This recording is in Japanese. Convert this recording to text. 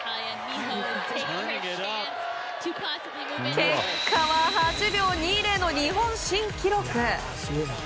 結果は８秒２０の日本新記録。